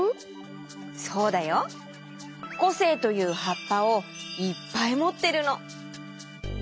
こせいというはっぱをいっぱいもってるの。